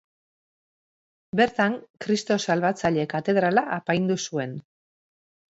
Bertan Kristo Salbatzaile katedrala apaindu zuen.